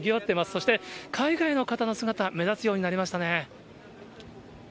そして、海外の方の姿、目立つようになりましたね。